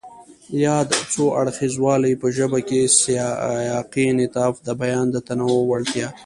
ياد څو اړخیزوالی په ژبه کې سیاقي انعطاف، د بیان د تنوع وړتیا،